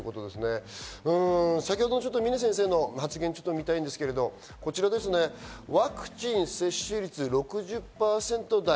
先ほどの峰先生の発言を見たいんですけど、ワクチン接種率６０％台。